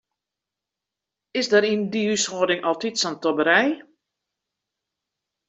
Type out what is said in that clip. It is dêr yn dy húshâlding altyd sa'n tobberij.